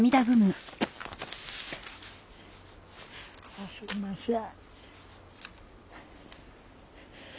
あっすいません。